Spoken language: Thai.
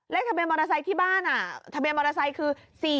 เลขทะเบียนมอเตอร์ไซต์ที่บ้านคือ๔๒๙๕